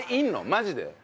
マジで。